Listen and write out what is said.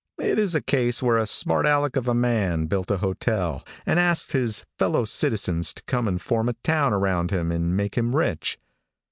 It is a case where a smart aleck of a man built a hotel, and asked his fellow citizens to come and form a town around him and make him rich.